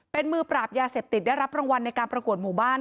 เป็นมือปราบยาเสพติดได้รับรางวัลในการประกวดหมู่บ้าน